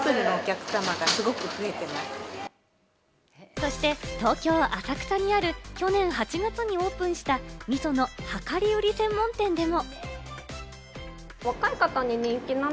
そして東京・浅草にある去年８月にオープンしたみその量り売り専門店でも。